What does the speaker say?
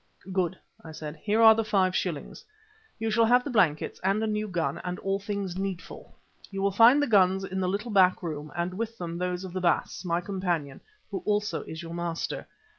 "Good," I said. "Here are the five shillings. You shall have the blankets and a new gun and all things needful. You will find the guns in the little back room and with them those of the Baas, my companion, who also is your master.